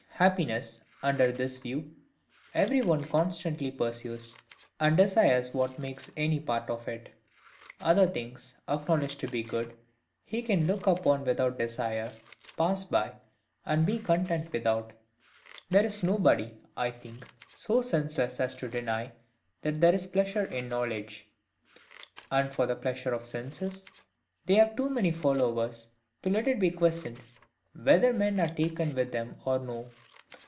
Happiness, under this view, every one constantly pursues, and desires what makes any part of it: other things, acknowledged to be good, he can look upon without desire, pass by, and be content without. There is nobody, I think, so senseless as to deny that there is pleasure in knowledge: and for the pleasures of sense, they have too many followers to let it be questioned whether men are taken with them or no.